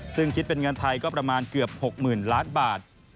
ซึ่งคิดเป็นเงินไทยก็ประมาณเกือบ๖๐๐๐ล้านบาท